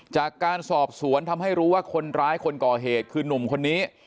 จากการสอบสวนทำให้รู้ว่าคนร้ายคนก่อเหตุคือนุ่มคนนี้